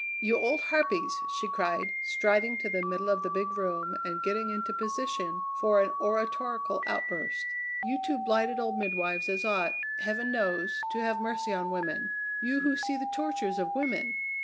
"You old harpies!" she cried, striding to the middle of the big room and getting into position for an oratorical outburst. "You two blighted old midwives as ought, heaven knows, to have mercy on women; you who see the tortures of women!